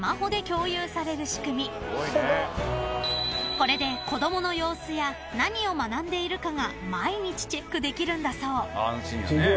［これで子供の様子や何を学んでいるかが毎日チェックできるんだそう］